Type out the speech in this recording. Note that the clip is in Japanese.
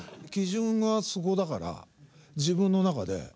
基準がそこだから自分の中で。